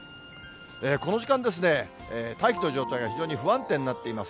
この時間ですね、大気の状態が非常に不安定になっています。